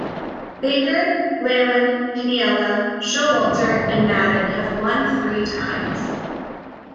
Baker, Leyland, Piniella, Showalter and Maddon have won three times.